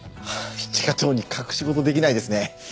一課長に隠し事できないですね。